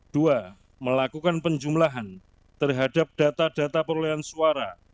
dua melakukan penjumlahan terhadap data data perolehan suara